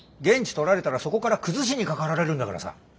言質取られたらそこから崩しにかかられるんだからさ。